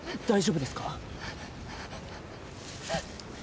大丈夫ですか？